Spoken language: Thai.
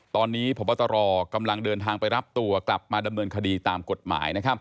ตอนนี้พบตรกำลังเดินทางไปรับตัวกลับมาดำเนินคดีตามกฎหมาย